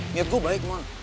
niat gue baik mon